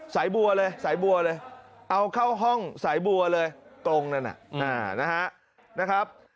สายบัวเลยสายบัวเลยเอาเข้าห้องสายบัวเลยตรงนั้นนะครับ